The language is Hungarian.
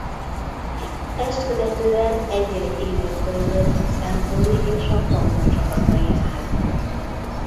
Ezt követően egy-egy évet töltött az Empoli és a Parma csapatainál.